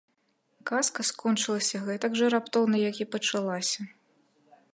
Казка скончылася гэтак жа раптоўна, як і пачалася.